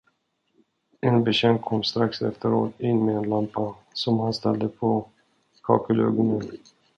En betjänt kom strax efteråt in med en lampa, som han ställde på kakelugnen.